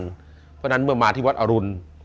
เพราะฉะนั้นเมื่อมาที่วัดอรุณ